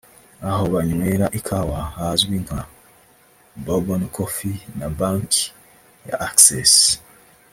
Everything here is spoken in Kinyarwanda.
aho banywera ikawa hazwi nka Bourbon Coffee na Banki ya Access